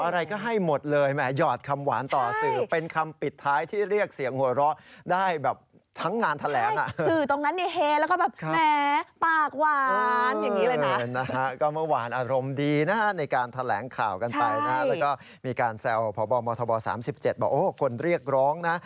นี่นะครับก็เมื่อวานอารมณ์ดีนะในการแถลงข่าวกันไปแล้วก็มีการแซวเผาบมท๓๗บอกโอ้โฮคนเรียกร้องนะ